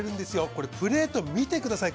これプレート見てください